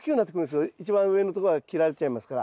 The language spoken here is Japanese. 一番上のところが切られちゃいますから。